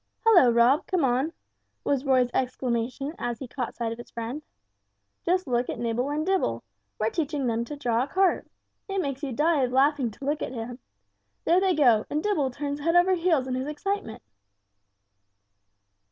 "Hulloo, Rob, come on," was Roy's exclamation as he caught sight of his friend. "Just look at Nibble and Dibble, we're teaching them to draw a cart. It makes you die of laughing to look at them. There they go, and Dibble turns head over heels in his excitement!"